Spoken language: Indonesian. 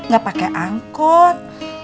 gak pake angkot